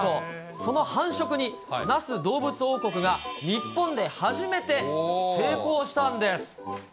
その繁殖に、那須どうぶつ王国が日本で初めて成功したんです。